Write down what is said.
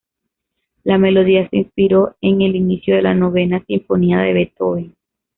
La melodía se inspiró en el inicio de la novena sinfonía de Beethoven.